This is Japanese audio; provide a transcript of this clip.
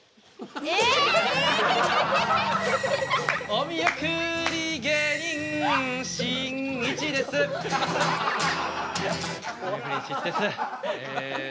お見送り芸人しんいちですえ